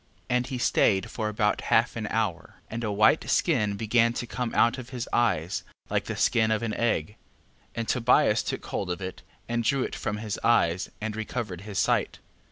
11:14. And he stayed about half an hour: and a white skin began to come out of his eyes, like the skin of an egg. 11:15. And Tobias took hold of it, and drew it from his eyes, and recovered his sight.